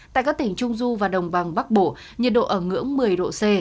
tại các tỉnh trung du và đồng bằng bắc bộ nhiệt độ ở ngưỡng một mươi độ c